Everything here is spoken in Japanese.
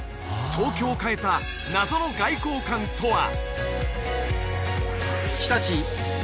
東京を変えた謎の外交官とは？